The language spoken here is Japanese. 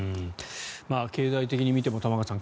経済的に見ても玉川さん